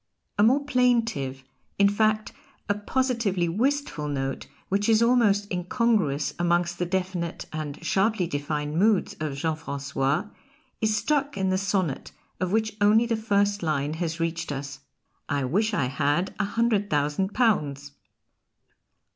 A more plaintive, in fact a positively wistful note, which is almost incongruous amongst the definite and sharply defined moods of Jean Francois, is struck in the sonnet of which only the first line has reached us: "I wish I had a hundred thousand pounds."